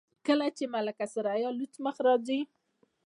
کله چې ملکه ثریا لوڅ مخ راځي.